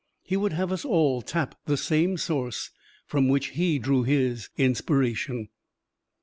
He would have us all tap the same source from which he drew his inspiration.